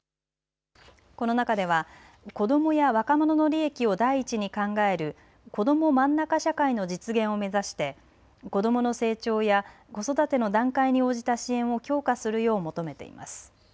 この中では子どもや若者の利益を第一に考えるこどもまんなか社会の実現を目指して子どもの成長や子育ての段階に応じた支援を強化するよう求めています。